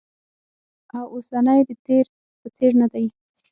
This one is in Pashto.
او اوسنی یې د تېر په څېر ندی